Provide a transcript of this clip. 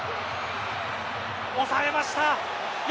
抑えました。